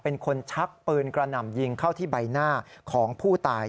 เป็นคนชักปืนกระหน่ำยิงเข้าที่ใบหน้าของผู้ตาย